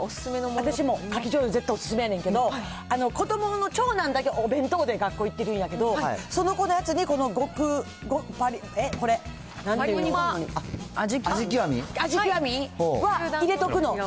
私もかきじょうゆ、絶対お勧めなんだけど、子どもの長男だけお弁当で学校行ってるんやけど、その子のやつに、味極？味極は入れとくの。